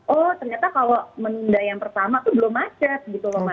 oh ternyata kalau menunda yang pertama tuh belum macet gitu loh mas